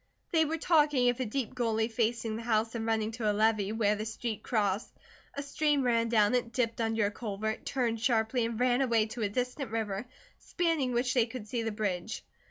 They were talking of a deep gully facing the house and running to a levee where the street crossed. A stream ran down it, dipped under a culvert, turned sharply, and ran away to a distant river, spanning which they could see the bridge.